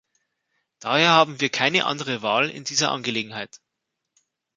Daher haben wir keine andere Wahl in dieser Angelegenheit.